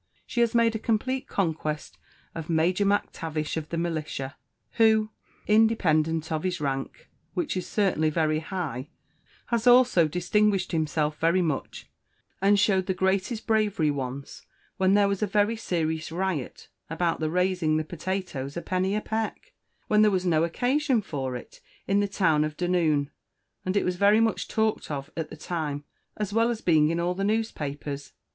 She has made a Complete conquest of Major M'Tavish, of the Militia, who, Independent of his rank, which is certainly very High, has also distinguished himself very Much, and showed the Greatest bravery once when there was a Very serious Riot about the raising the Potatoes a penny a peck, when there was no Occasion for it, in the town of Dunoon; and it was very much talked of at the Time, as well as Being in all the Newspapers.